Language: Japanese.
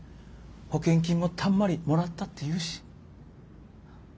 保険金もたんまりもらったっていうし。